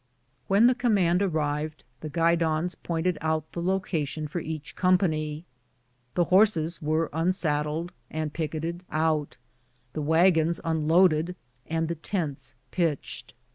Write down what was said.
When the command arrived, the guidons pointed out the location for each company ; the horses were unsad dled and picketed out; the wagons unloaded and the tents pitched.